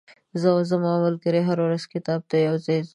زه او ځما ملګری هره ورځ مکتب ته یوځای زو.